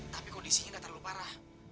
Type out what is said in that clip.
tapi kondisinya tidak terlalu parah